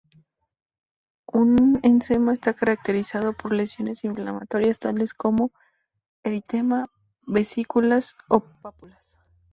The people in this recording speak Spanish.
Un eccema, está caracterizado por lesiones inflamatorias, tales como: eritema, vesículas, o pápulas.